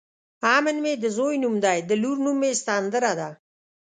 امن مې د ځوی نوم دی د لور نوم مې سندره ده.